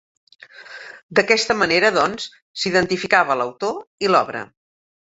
D'aquesta manera, doncs, s'identificava l'autor i l'obra.